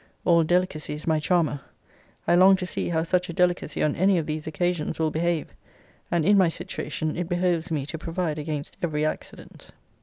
All delicacy is my charmer. I long to see how such a delicacy, on any of these occasions, will behave, and in my situation it behoves me to provide against every accident.